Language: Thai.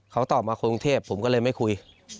เขาตอบมาคนกรุงเทพผมก็เลยไม่คุย